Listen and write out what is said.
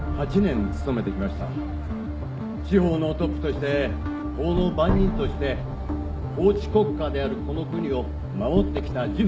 司法のトップとして法の番人として法治国家であるこの国を守ってきた自負があります。